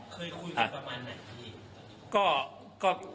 เคยคุยกันประมาณไหน